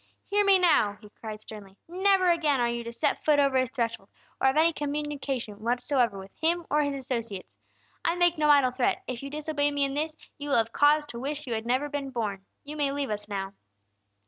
"Hear me, now!" he cried, sternly. "Never again are you to set foot over his threshold, or have any communication whatsoever with him or his associates. I make no idle threat; if you disobey me in this, you will have cause to wish you had never been born. You may leave us now!"